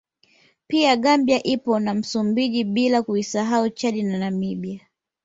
Pia Gambia ipo na Msumbiji bila kuisahau Chadi na Namibia